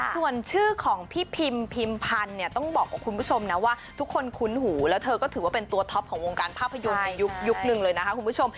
ส่วนชื่อของพี่พิมพิมพันธ์เนี่ยต้องบอกกับคุณผู้ชมนะว่าทุกคนคุ้นหูแล้วเธอก็ถือว่าเป็นตัวท็อปของวงการภาพยนตร์ในยุคนึงเลยนะคะคุณผู้ชม